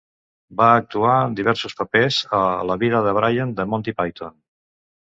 Va actuar en diversos papers a "La vida de Brian" de Monty Python.